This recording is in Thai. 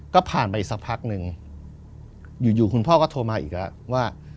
ก็ผ่านไปสักพักหนึ่งอยู่คุณพ่อก็โทรมาอีกแล้วว่า